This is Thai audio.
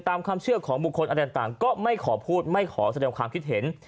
ตามความเชื่อของบุคคลอะไรต่างก็ไม่ขอพูดไม่ขอแสดงความคิดเห็น